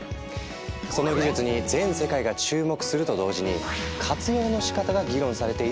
その技術に全世界が注目すると同時に活用のしかたが議論されているドローン。